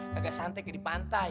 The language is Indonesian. kagak santai kayak di pantai